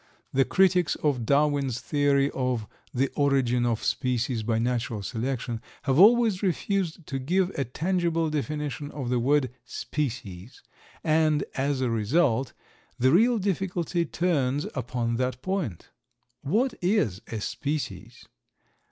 The critics of Darwin's theory of "the Origin of Species by Natural Selection" have always refused to give a tangible definition of the word "species," and, as a result, the real difficulty turns upon that point. What is a species?